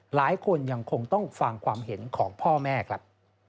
หลายคนยังคงต้องฟังความเห็นของพ่อแม่ครับ